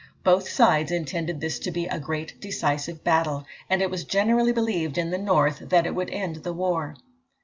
Both sides intended this to be a great decisive battle, and it was generally believed in the North that it would end the war.